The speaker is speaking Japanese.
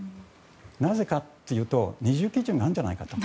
なぜかというと二重基準があるんじゃないかと。